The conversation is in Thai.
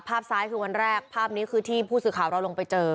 ภาพซ้ายคือวันแรกภาพนี้คือที่ผู้สื่อข่าวเราลงไปเจอ